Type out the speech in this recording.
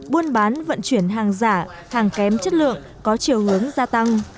buôn bán vận chuyển hàng giả hàng kém chất lượng có chiều hướng gia tăng